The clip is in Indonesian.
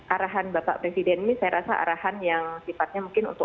arahan bapak presiden ini saya rasa arahan yang sifatnya mungkin untuk